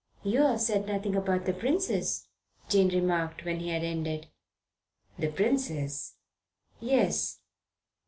"You've said nothing about the princess," Jane remarked, when he had ended. "The princess?" "Yes.